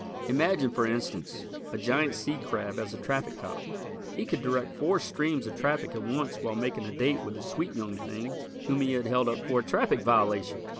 Imagine, for instance, a giant sea crab as a traffic cop! He could direct four streams of traffic at once while making a date with the sweet young thing whom he had held up for a traffic violation!